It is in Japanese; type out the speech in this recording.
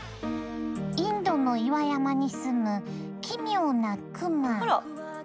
インドの岩山に住む奇妙なクマ。